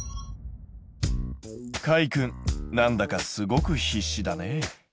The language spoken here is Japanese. かいくん何だかすごく必死だね。